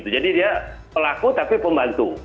jadi dia pelaku tapi pembantu